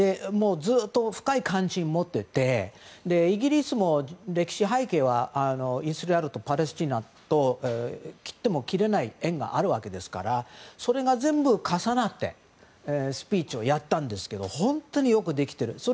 ずっと深い関心を持っていてイギリスも歴史的背景はイスラエルとパレスチナと切っても切れない縁があるわけですからそれが全部重なってスピーチをやったんですけど本当によくできている。